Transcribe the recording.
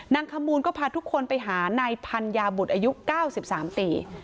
ขมูลก็พาทุกคนไปหานายพัญญาบุตรอายุ๙๓ปี